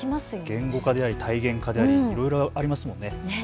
言語化であり体験化でありいろいろありますものね。